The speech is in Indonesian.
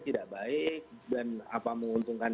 tidak baik dan apa menguntungkan